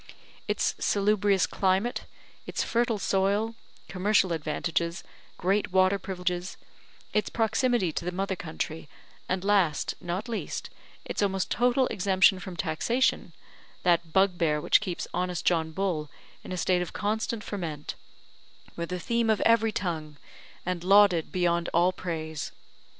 Its salubrious climate, its fertile soil, commercial advantages, great water privileges, its proximity to the mother country, and last, not least, its almost total exemption from taxation that bugbear which keeps honest John Bull in a state of constant ferment were the theme of every tongue, and lauded beyond all praise.